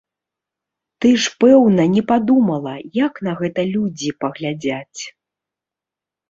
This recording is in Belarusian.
Ты ж, пэўна, не падумала, як на гэта людзі паглядзяць.